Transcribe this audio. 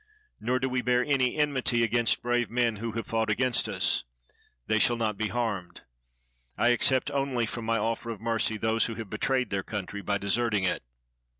Nor do we bear any enmity against brave men who have fought against us. They shall not be harmed. I except only from my offer of mercy those who have betrayed their country by deserting it."